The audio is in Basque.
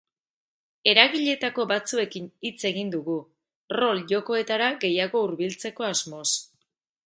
Egileetako batzuekin hitz egin dugu, rol jokoetara gehiago hurbiltzeko asmoz.